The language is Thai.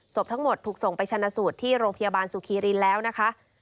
ศพทั้งหมดถูกส่งไปชนะสูตรที่โรงพยาบาลสุขีรินแล้วนะคะ